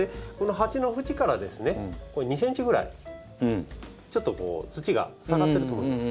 鉢の縁からですね２ｃｍぐらいちょっと土が下がってると思います。